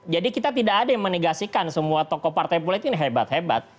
jadi kita tidak ada yang menegasikan semua tokoh partai politik ini hebat hebat